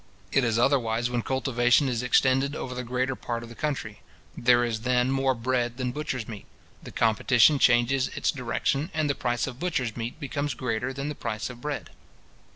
It is otherwise when cultivation is extended over the greater part of the country. There is then more bread than butcher's meat. The competition changes its direction, and the price of butcher's meat becomes greater than the price of bread.